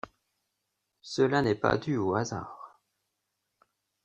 Cela n'est pas dû au hasard.